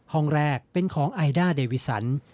ห้องแรกเป็นของไอด้าเดวิสัน